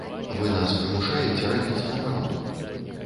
Вы нас прымушаеце рабіць няпраўду.